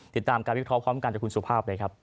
ติดตามการวิเคราะห์พร้อมกันจากคุณสุภาพเลยครับ